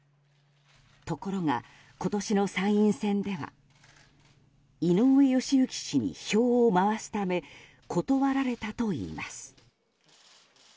ところが今年の参院選では井上義行氏に票を回すため断られたといいます。